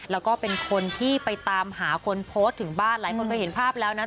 แล้วก็เป็นคนที่ไปตามหาคนโพสต์ถึงบ้านหลายคนเคยเห็นภาพแล้วนะ